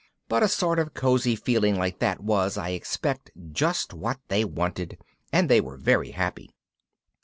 But a sort of cosy feeling like that was, I expect, just what they wanted, and they were very happy.